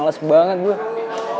kita juga gak bisa